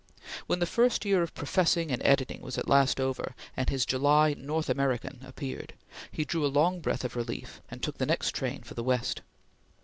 When the first year of professing and editing was at last over, and his July North American appeared, he drew a long breath of relief, and took the next train for the West.